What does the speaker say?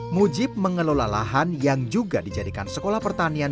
mujib mengelola lahan yang juga dijadikan sekolah pertanian